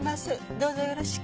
どうぞよろしく。